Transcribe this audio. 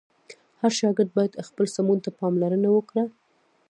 هر شاګرد باید خپل سمون ته پاملرنه وکړه.